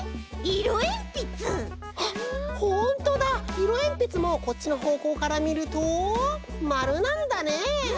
いろえんぴつもこっちのほうこうからみるとまるなんだね！